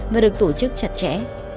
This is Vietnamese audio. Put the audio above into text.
và được tổ chức chặt chẽ